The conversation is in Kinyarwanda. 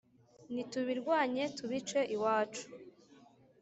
Nitubirwanye tubice iwacu